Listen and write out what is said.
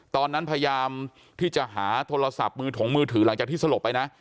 พยายามที่จะหาโทรศัพท์มือถงมือถือหลังจากที่สลบไปนะ